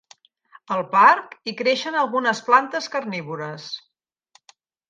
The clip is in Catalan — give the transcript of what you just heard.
Al parc hi creixen algunes plantes carnívores.